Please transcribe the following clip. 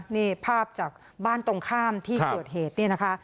นี่ภาพจากบ้านตรงข้ามที่เกิดเหตุเนี่ยนะคะ